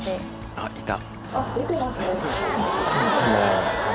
あっいた。